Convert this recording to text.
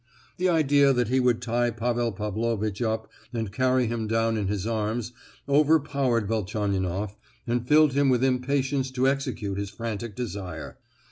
The idea that he would tie Pavel Pavlovitch up and carry him down in his arms overpowered Velchaninoff, and filled him with impatience to execute his frantic desire.